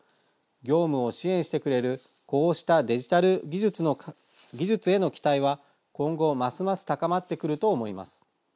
業務を支援してくれる、こうしたデジタル技術への期待は今後ますます高まってくると思います。